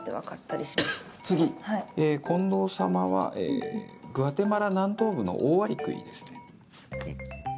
近藤様は、グアテマラ南東部のオオアリクイですね。